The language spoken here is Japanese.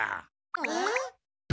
えっ？